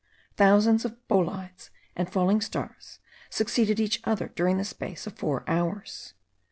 Thousands of bolides and falling stars succeeded each other during the space of four hours.